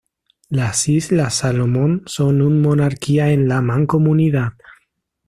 Las Islas Salomón son un Monarquía en la Mancomunidad.